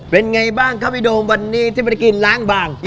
เป็นไงบ้างครับพี่โดมวันนี้ที่ไม่ได้กินล้างบาง